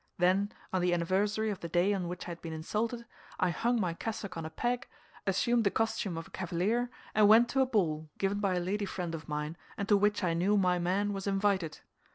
Then, on the anniversary of the day on which I had been insulted, I hung my cassock on a peg, assumed the costume of a cavalier, and went to a ball given by a lady friend of mine and to which I knew my man was invited.